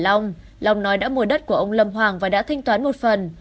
trong năm long nói đã mua đất của ông lâm hoàng và đã thanh toán một phần